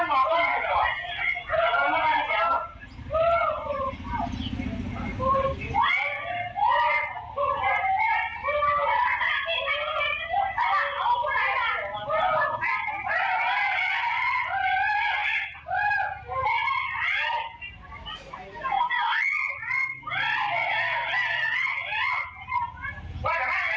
ว่ากลัวอะไรอย่าเข้าไปกันล่ะ